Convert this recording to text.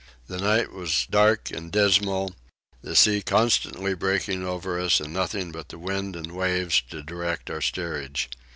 The night was dark and dismal: the sea constantly breaking over us and nothing but the wind and waves to direct our steerage.